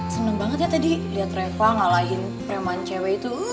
seneng banget ya tadi lihat reva ngalahin preman cewek itu